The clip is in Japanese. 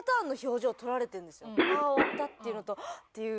「ああ終わった」っていうのと「あっ！」っていう。